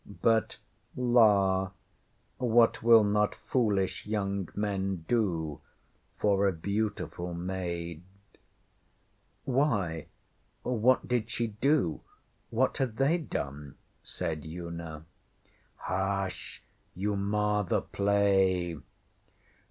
But la! what will not foolish young men do for a beautiful maid? ŌĆÖ ŌĆśWhy? What did she do? What had they done? ŌĆÖ said Una. ŌĆśHsh! You mar the play!